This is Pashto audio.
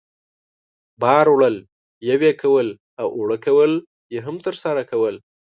بار وړل، یوې کول او اوړه کول یې هم ترسره کول.